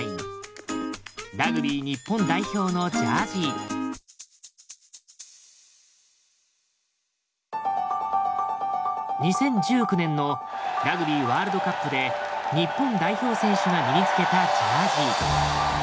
富山で見つけたのは２０１９年のラグビーワールドカップで日本代表選手が身につけたジャージー。